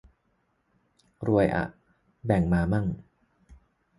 รวยอะ แบ่งมามั่ง